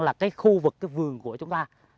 là cái khu vực cái vườn của chúng ta